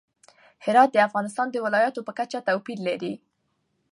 هرات د افغانستان د ولایاتو په کچه توپیر لري.